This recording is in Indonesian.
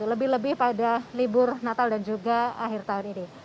lebih lebih pada libur natal dan juga akhir tahun ini